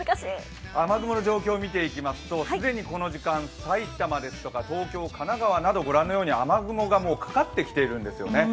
雨雲の状況を見ていきますと既にこの時間、埼玉や東京、神奈川など御覧のように雨雲がかかってきているんですよね。